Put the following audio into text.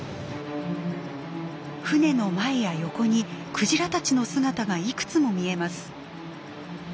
船の前や横にクジラたちの姿がいくつも見えます。